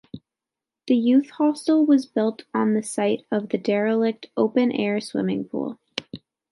The Youth Hostel was built on the site of the derelict open-air swimming pool.